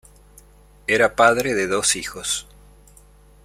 Era padre de dos hijos.